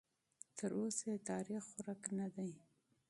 تراوسه یې تاریخ ورک نه دی.